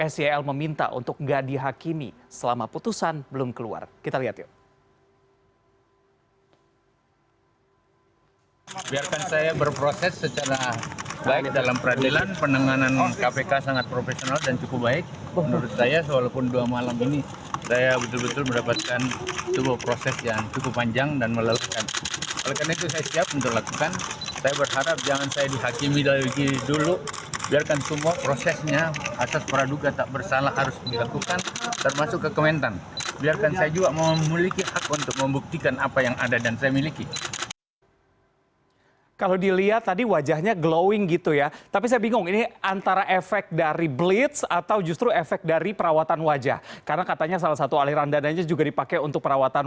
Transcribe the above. sel meminta untuk nggak dihakimi selama putusan belum keluar kita lihat yuk